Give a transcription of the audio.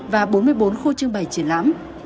và bốn mươi bốn khu trường bày triển lãm